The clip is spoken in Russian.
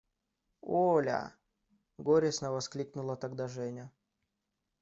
– Оля! – горестно воскликнула тогда Женя.